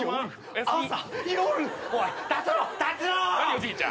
おじいちゃん。